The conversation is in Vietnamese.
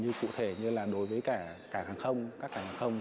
như cụ thể như là đối với cả hàng không các hàng không